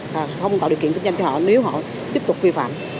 và không tạo điều kiện kinh doanh cho họ nếu họ tiếp tục vi phạm